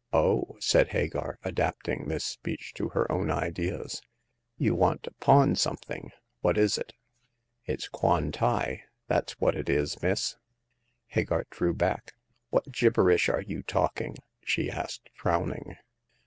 " Oh, " said Hagar, adapting this speech to her The Third Customer. 89 own ideas, "you want to pawn something. What is it ?"" It's Kwan tai — that's what it is, miss." Hagar drew back. " What gibberish are you talking ?" slie asked, frowning.